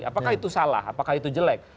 apakah itu salah apakah itu jelek